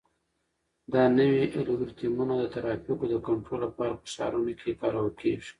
دا نوي الګوریتمونه د ترافیکو د کنټرول لپاره په ښارونو کې کارول کیږي.